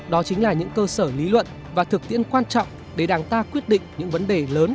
đó chính là những cơ sở lý luận và thực tiễn quan trọng để đảng ta quyết định những vấn đề lớn